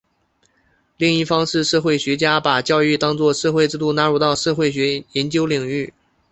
另一方是社会学家把教育当作社会制度纳入到社会学研究领域。